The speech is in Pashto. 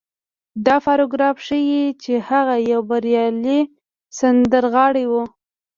دا پاراګراف ښيي چې هغه يوه بريالۍ سندرغاړې وه.